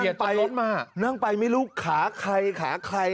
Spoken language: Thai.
เบียดตรงรถมานั่งไปนั่งไปไม่รู้ขาใครขาใคร